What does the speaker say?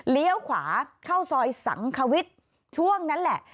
เลี้ยวขวาเข้าซอยสังควิทย์ช่วงนั้นแหละ